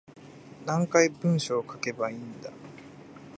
何回文章書けばいいんだ